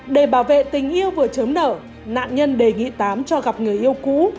để bảo vệ tình yêu vừa chớm nở nạn nhân đề nghị tám cho gặp người yêu cũ